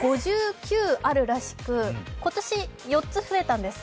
５９あるらしく今年、４つ増えたんです。